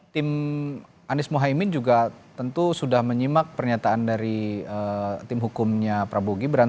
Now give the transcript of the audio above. tim anies mohaimin juga tentu sudah menyimak pernyataan dari tim hukumnya prabowo gibran